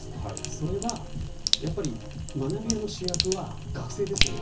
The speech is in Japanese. それは学び舎の主役は学生ですよね。